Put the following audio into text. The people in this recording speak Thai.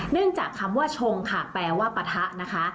เนื่องจากคำว่าชงค่ะแปลว่าปะทะนะคะ